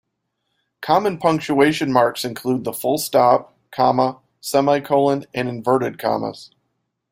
Common punctuation marks include the full stop, comma, semicolon, and inverted commas